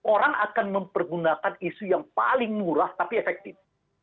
orang akan mempergunakan isu yang paling murah tapi efektif